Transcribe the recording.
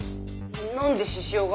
何で獅子王が？